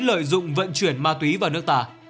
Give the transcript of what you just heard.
lợi dụng vận chuyển ma túy vào nước ta